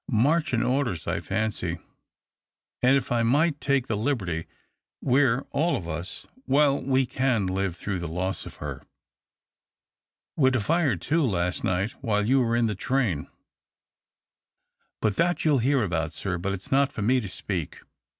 Marchin' orders, I fancy. And if I might take the liberty, we're all of us — well, we c<in live through the loss of her. We'd a fire, too, last night, while you were in the train. But that you'll hear about, sir, and it's not for me to speak.